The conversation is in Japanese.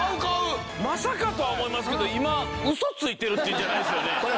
まさかとは思いますけど今ウソついてるっていうんじゃないですよね？